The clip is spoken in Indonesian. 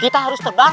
kita harus terbang